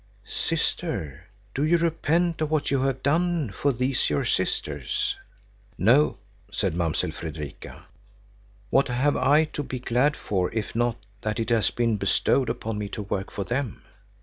"Sister, do you repent of what you have done for these your sisters?" "No," said Mamsell Fredrika. "What have I to be glad for if not that it has been bestowed upon me to work for them?